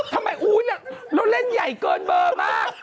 ทำไมอู้ยเราเล่นใหญ่เกินเบอร์มาก